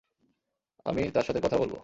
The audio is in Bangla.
আমি তার সাথে কথা বলব।